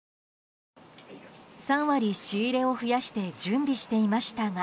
３割、仕入れを増やして準備していましたが。